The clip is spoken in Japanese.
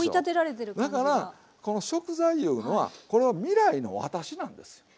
だからこの食材いうのはこれは未来の私なんですよ。